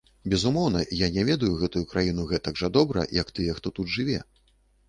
Безумоўна, я не ведаю гэтую краіну гэтак жа добра, як тыя, хто тут жыве.